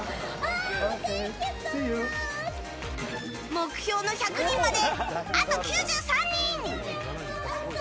目標の１００人まであと９３人。